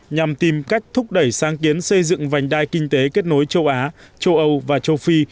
nhằm tìm cách thúc đẩy sáng kiến xây dựng vành đai kinh tế kết nối châu á châu âu và châu phi